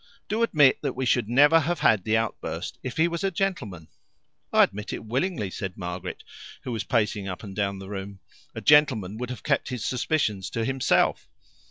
"Do admit that we should never have had the outburst if he was a gentleman." "I admit it willingly," said Margaret, who was pacing up and down the room. "A gentleman would have kept his suspicions to himself."